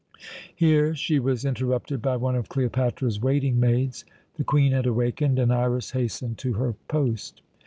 Here she was interrupted by one of Cleopatra's waiting maids. The Queen had awakened, and Iras hastened to her post.